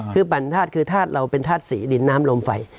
คือปั่นธาตุคือธาตุเราเป็นธาตุสีดินน้ำลมไฟ